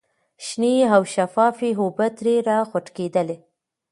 شنې او شفافې اوبه ترې را خوټکېدلې.